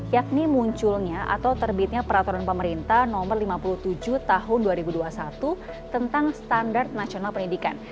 yakni munculnya atau terbitnya peraturan pemerintah nomor lima puluh tujuh tahun dua ribu dua puluh satu tentang standar nasional pendidikan